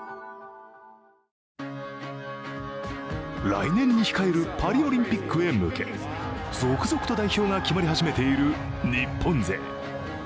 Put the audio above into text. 来年に控えるパリオリンピックに向け続々と代表が決まり始めている日本勢。